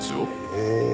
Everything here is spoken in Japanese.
へえ。